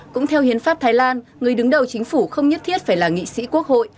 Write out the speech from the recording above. cũng theo hiến pháp thái lan người đứng đầu chính phủ không nhất thiết phải là nghị sĩ quốc hội